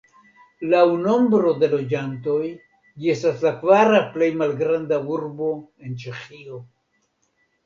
Laŭ nombro de loĝantoj ĝi estas la kvara plej malgranda urbo en Ĉeĥio.